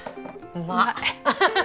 うまい。